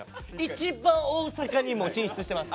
一番大阪に進出してます。